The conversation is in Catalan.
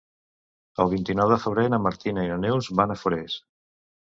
El vint-i-nou de febrer na Martina i na Neus van a Forès.